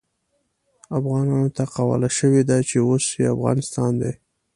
افغانانو ته قواله شوې ده چې اوس يې افغانستان دی.